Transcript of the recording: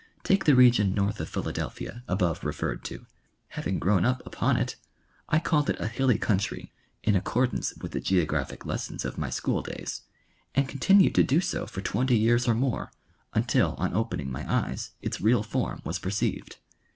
Take the region north of Philadelphia above referred to. Having grown up upon it, I called it a hilly country, in accordance with the geographic lessons of my school days, and continued to do so for twenty years or more, until on opening niy eyes its real form was perceived.